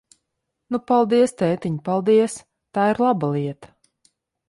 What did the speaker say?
Nu, paldies, tētiņ, paldies! Tā ir laba lieta!